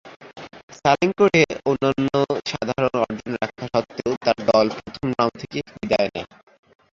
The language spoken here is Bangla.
সালেঙ্কো’র এ অনন্য সাধারণ অর্জন থাকা স্বত্ত্বেও তাঁর দল প্রথম রাউন্ড থেকেই বিদায় নেয়।